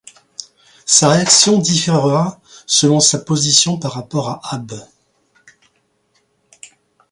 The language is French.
Sa réaction différera selon sa position par rapport à Abe.